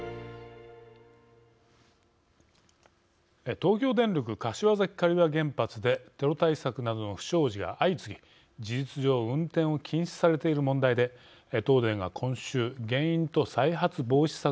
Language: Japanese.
東京電力柏崎刈羽原発でテロ対策などの不祥事が相次ぎ事実上運転を禁止されている問題で東電が今週原因と再発防止策を公表しました。